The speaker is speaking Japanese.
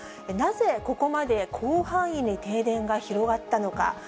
なぜここまで広範囲に停電が広がったのか。